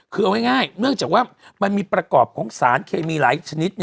คือเอาง่ายเนื่องจากว่ามันมีประกอบของสารเคมีหลายชนิด